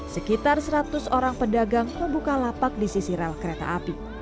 sekitar seratus orang pedagang membuka lapak di sisi rel kereta api